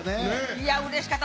いや、うれしかった。